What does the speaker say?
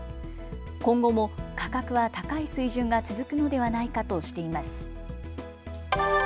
今後も価格は高い水準が続くのではないかとしています。